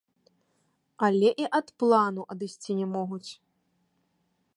Але і ад плану адысці не могуць.